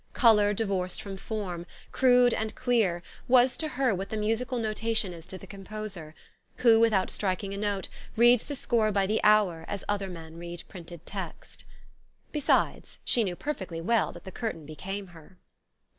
Color divorced from form, crude and clear, was to her what the musical notation is to the composer, who, without striking a note, reads the score by the hour as other men read printed text. Besides, she knew perfectly well that the curtain became her.